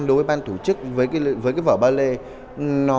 đối với ban thủ chức với vở ballet